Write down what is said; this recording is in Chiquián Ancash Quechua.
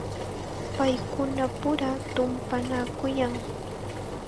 Paykunapura tumpanakuyan.